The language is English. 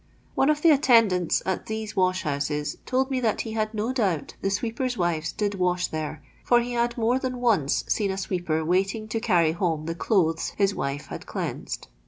One of the attendants at these washhouses told me that he had no doubt the sweepers' wives did vrash there, for he had more than once seen a sweeper waiting to cany home the clothes his wife had cleansed.